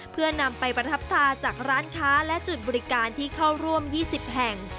เพื่อนำไปประทับตาจากร้านค้าและจุดบริการที่เข้าร่วม๒๐แห่ง